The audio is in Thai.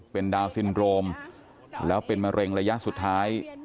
เป็นดาวนซินโรมแล้วเป็นมะเร็งระยะสุดท้าย